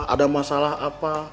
ada masalah apa